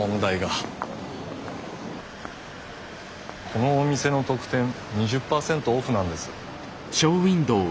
このお店の特典２０％オフなんです。